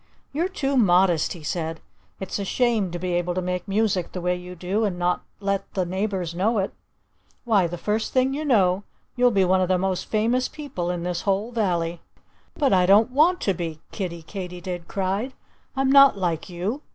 "You're too modest," he said. "It's a shame to be able to make music the way you do and not let the neighbors know it. Why, the first thing you know you'll be one of the most famous people in this whole valley." "But I don't want to be!" Kiddie Katydid cried. "I'm not like you.